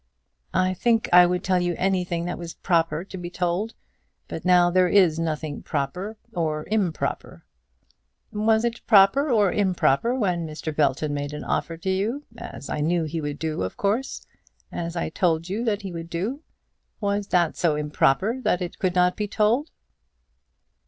"I think I would tell you anything that was proper to be told; but now there is nothing proper, or improper." "Was it proper or improper when Mr. Belton made an offer to you, as I knew he would do, of course; as I told you that he would? Was that so improper that it could not be told?"